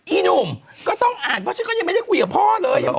อีหนุ่มก็ต้องอ่านเพราะฉันก็ยังไม่ได้คุยกับพ่อเลย